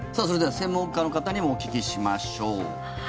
それでは専門家の方にもお聞きしましょう。